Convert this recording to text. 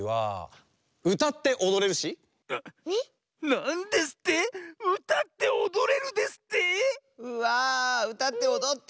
なんですって⁉うたっておどれるですって⁉うわうたっておどって！